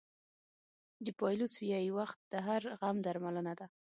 ډیپایلوس وایي وخت د هر غم درملنه ده.